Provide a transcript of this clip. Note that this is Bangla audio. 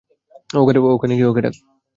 ওখানে গিয়ে ওকে ডাক!